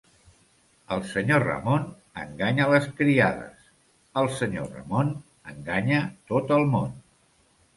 El senyor Ramon enganya les criades; el senyor Ramon enganya tot el món.